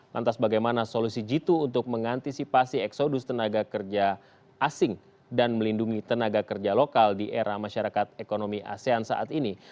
lantas bagaimana solusi jitu untuk mengantisipasi eksodus tenaga kerja asing dan melindungi tenaga kerja lokal di era masyarakat ekonomi asean saat ini